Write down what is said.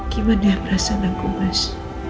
gimana perasaan aku mas